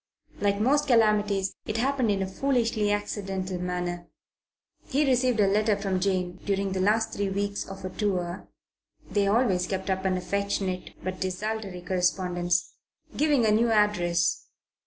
Like most calamities it happened in a foolishly accidental manner. He received a letter from Jane during the last three weeks of a tour they always kept up an affectionate but desultory correspondence giving a new address.